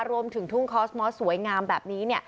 รวมถึงทุ่งคอสมอสสวยงามแบบนี้